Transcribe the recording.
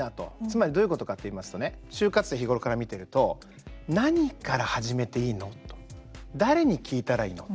つまりどういうことかと言いますと就活生を日頃から見ていると何から始めていいの？と誰に聞いたらいいの？